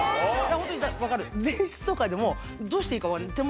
ホントに分かる。